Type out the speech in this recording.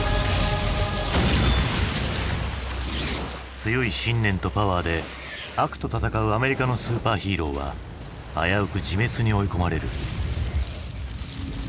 強い信念とパワーで悪と戦うアメリカのスーパーヒーローは危うく自滅に追い込まれる。